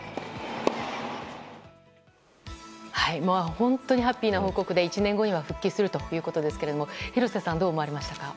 本当にハッピーな報告で１年後には復帰するということですが廣瀬さん、どう思われましたか？